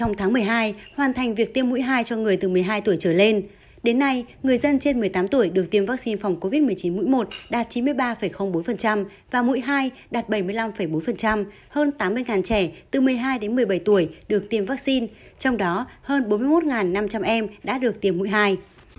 trong tháng một mươi hai hoàn thành việc tiêm mũi hai cho người từ một mươi hai tuổi trở lên đến nay người dân trên một mươi tám tuổi được tiêm vaccine phòng covid một mươi chín mũi một đạt chín mươi ba bốn và mũi hai đạt bảy mươi năm bốn hơn tám mươi trẻ từ một mươi hai đến một mươi bảy tuổi được tiêm vaccine trong đó hơn bốn mươi một năm trăm linh em đã được tiêm mũi hai